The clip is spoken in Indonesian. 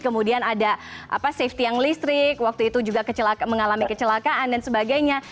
kemudian ada safety yang listrik waktu itu juga mengalami kecelakaan dan sebagainya